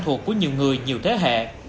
thuộc của nhiều người nhiều thế hệ